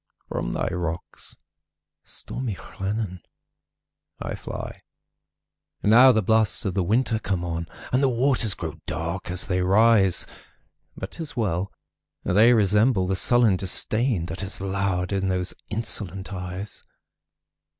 From thy rocks, stormy Llannon, I fly. Now the blasts of the winter come on, And the waters grow dark as they rise! But 't is well!—they resemble the sullen disdainThat has lowered in those insolent eyes.